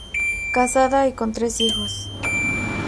Casada y con tres hijos.